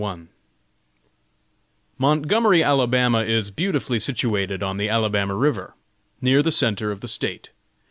_ Montgomery, Alabama, is beautifully situated on the Alabama river, near the centre of the State.